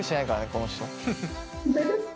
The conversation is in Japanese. この人。